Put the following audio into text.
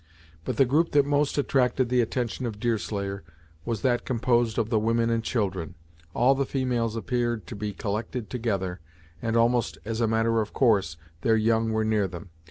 But the group that most attracted the attention of Deerslayer was that composed of the women and children. All the females appeared to be collected together, and, almost as a matter of course, their young were near them.